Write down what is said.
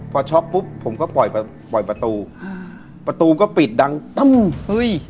พอช็อกปุ๊บผมก็ปล่อยไปปล่อยประตูอ่าประตูประตูก็ปิดดังตั้มเฮ้ย